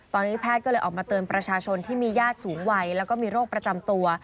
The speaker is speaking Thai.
ตอนนี้แพทย์ก็เลยออกมาเตือนประชาชนที่มีญาติสูงวัยแล้วก็มีโรคประจำตัว